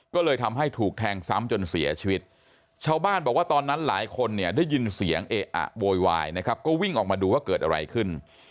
ก็เลยทำให้ถูกแทงซ้ำจนเสียชีวิตชาวบ้านบอกว่าตอนนั้นหลายคนเนี่ยได้ยินเสียงเอะอะโวยวายนะครับก็วิ่งออกมาดูว่าเกิดอะไรขึ้น